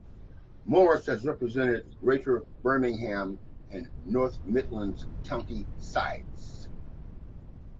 Morris has represented Greater Birmingham and North Midlands county sides.